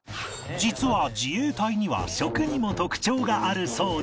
実は自衛隊には食にも特徴があるそうで